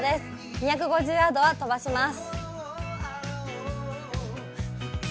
２５０ヤードは飛ばします。